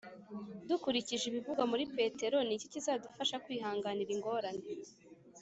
Dukurikije ibivugwa muri Petero ni iki kizadufasha kwihanganira ingorane